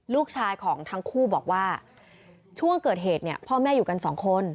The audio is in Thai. ลูกชายของทั้งคู่บอกว่าช่วงเกิดเหตุเนี่ยพ่อแม่อยู่กันสองคน